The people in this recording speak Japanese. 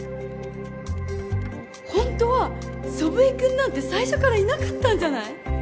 ホントは祖父江君なんて最初からいなかったんじゃない？